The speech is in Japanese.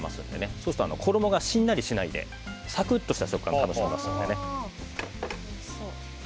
そうすると、しんなりしないでサクッとした食感が楽しめます。